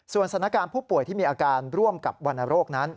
สถานการณ์ผู้ป่วยที่มีอาการร่วมกับวรรณโรคนั้น